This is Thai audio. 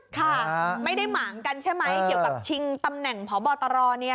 ค่ะไม่ได้หมางกันใช่ไหมเกี่ยวกับชิงตำแหน่งพบตร